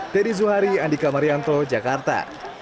teddy zuhari andika marianto jakarta